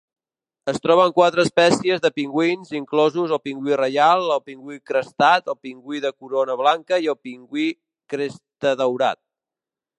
Es troben quatre espècies de pingüins, inclosos el pingüí reial, el pingüí crestat, el pingüí de corona blanca i el pingüí crestadaurat.